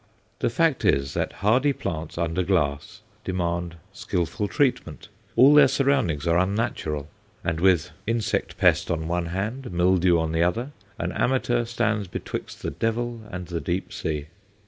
The fact is, that hardy plants under glass demand skilful treatment all their surroundings are unnatural, and with insect pest on one hand, mildew on the other, an amateur stands betwixt the devil and the deep sea.